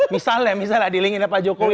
misalnya misalnya di link innya pak jokowi